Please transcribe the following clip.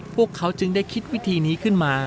พวกเขาจึงได้คิดวิธีนี้ขึ้นมา